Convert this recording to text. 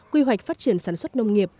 quy hoạch phát triển sản xuất nông nghiệp